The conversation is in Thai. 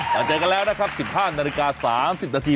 เจอกันแล้วนะครับ๑๕นาฬิกา๓๐นาที